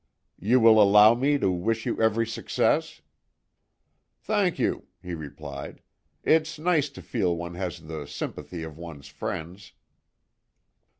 "You will allow me to wish you every success?" "Thank you," he replied. "It's nice to feel one has the sympathy of one's friends."